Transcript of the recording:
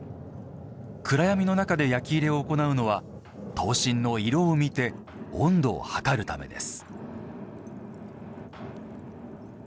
暗闇の中で焼き入れを行うのは刀身の色を見て温度を測るためです。